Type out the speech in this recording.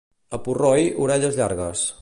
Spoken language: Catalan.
A Purroi, orelles llargues.